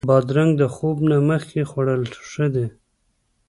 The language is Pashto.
بادرنګ د خوب نه مخکې خوړل ښه دي.